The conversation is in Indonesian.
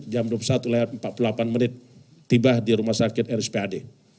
jam dua puluh satu empat puluh delapan menit tiba di rumah sakit rspad